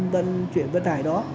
vận chuyển vận tải đó